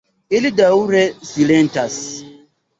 Ili daŭre silentas.